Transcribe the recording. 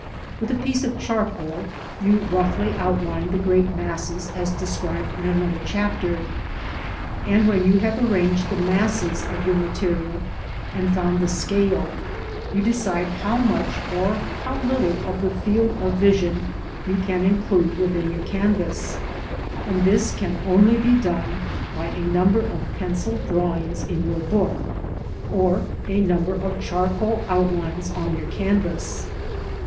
With a piece of charcoal you roughly outline the great masses as described in another chapter, and when you have a rranged the masses of your mater ial and founji^Jhe_ scale, you decide how much or how little of the field of vision you can include within your canvas, and this can only be done by a number of pencil drawings in your book, or a number of charcoal outlines on your canvas.